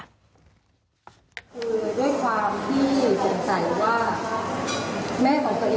ด้วยความที่สงสัยว่าแม่ของตัวเองเป็นใคร